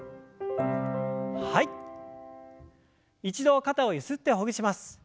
一度肩をゆすってほぐします。